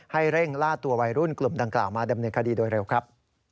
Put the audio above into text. เร่งล่าตัววัยรุ่นกลุ่มดังกล่าวมาดำเนินคดีโดยเร็วครับ